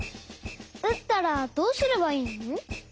うったらどうすればいいの？